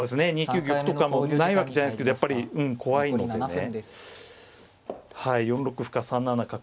２九玉とかもないわけじゃないですけどやっぱり怖いのでね４六歩か３七角。